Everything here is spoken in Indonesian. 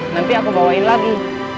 nanti aku bawain lagi